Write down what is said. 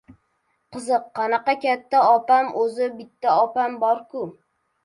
Qiziq, qanaqa katta opam? O‘zi bitta opam bor-ku.